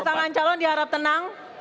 pasangan calon diharap tenang